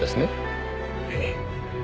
ええ。